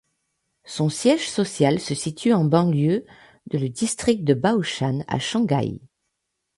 Son siège social se situe en banlieue de le district de Baoshan, à Shanghai.